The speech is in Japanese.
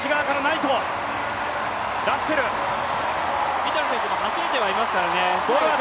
リトル選手も走れてはいますからね。